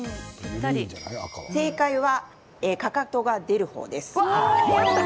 正解はかかとが出る方です。